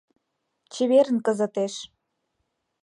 — Чеверын кызытеш!